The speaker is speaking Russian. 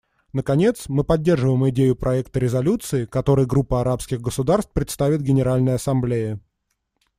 Наконец, мы поддерживаем идею проекта резолюции, который Группа арабских государств представит Генеральной Ассамблее.